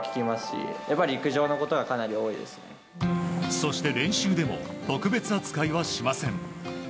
そして練習でも特別扱いはしません。